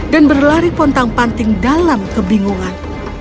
dan berlari pontang panting dalam kebingungan